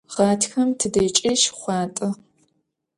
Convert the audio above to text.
Ğatxem tıdeç'i şşxhuant'e.